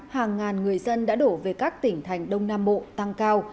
hàng ngàn người dân đã đổ về các tỉnh thành đông nam bộ tăng cao